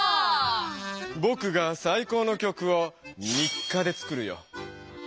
ぼくがさい高の曲を３日で作るよ。